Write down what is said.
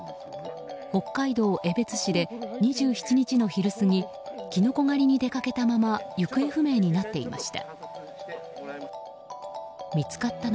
北海道江別市で２７日の昼過ぎキノコ狩りに出かけたまま行方不明になっていました。